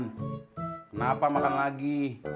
kenapa makan lagi